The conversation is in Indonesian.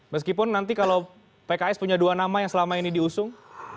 meskipun nanti kalau pks punya dua nama yang selama ini diusung